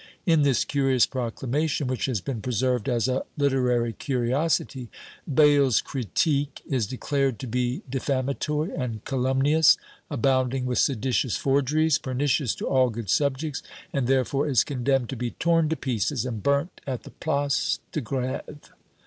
In this curious proclamation, which has been preserved as a literary curiosity, Bayle's "Critique" is declared to be defamatory and calumnious, abounding with seditious forgeries, pernicious to all good subjects, and therefore is condemned to be torn to pieces, and burnt at the Place de GrÃẂve.